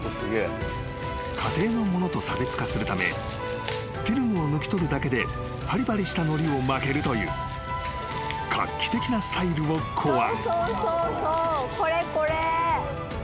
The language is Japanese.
［家庭のものと差別化するためフィルムを抜き取るだけでぱりぱりしたのりを巻けるという画期的なスタイルを考案］